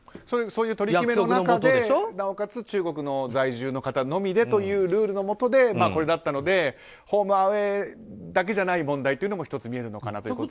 そういう取り決めの中でなおかつ中国在住の方のみでというルールのもとでこれだったのでホームアウェーだけじゃない問題も１つ見えるのかなと。